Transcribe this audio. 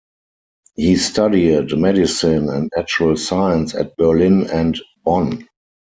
He studied medicine and natural science at Berlin and Bonn.